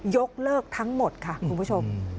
ยกเลิกทั้งหมดค่ะคุณผู้ชม